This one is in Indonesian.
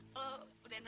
lo udah nunggu